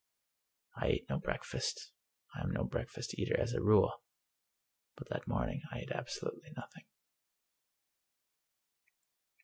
I ate no breakfast. I am no breakfast eater as a rule, but that morning I ate ab solutely nothing.